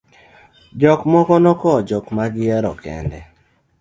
jok moko ne okowo jok ma gihero kende